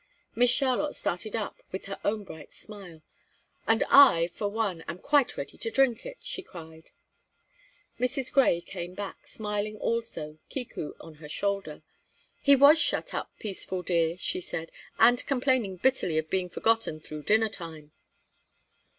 Miss Charlotte started up, with her own bright smile. "And I, for one, am quite ready to drink it!" she cried. Mrs. Grey came back, smiling also, Kiku on her shoulder. "He was shut up, Peaceful, dear," she said, "and complaining bitterly of being forgotten through dinner time."